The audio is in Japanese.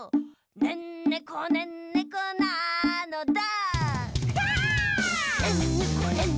「ねんねこねんねこなのだ」